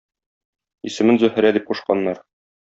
Исемен Зөһрә дип кушканнар.